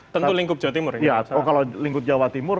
tentu lingkup jawa timur